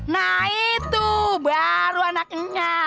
nah itu baru anaknya